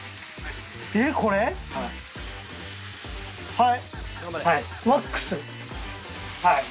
はい！